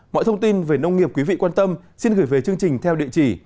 mọi thông tin về nông nghiệp quý vị quan tâm xin gửi về chương trình theo địa chỉ